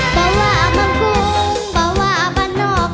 บ่ว่าบ้านกรุงบ่ว่าบ้านนอก